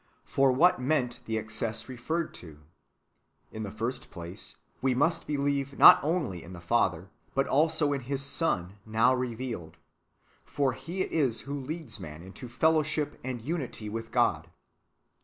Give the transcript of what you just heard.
* For what meant the excess referred to ? In the first place, [we must] believe not only in the Father, but also in His Son now revealed ; for He it is who leads man into fellow ship and unity with God.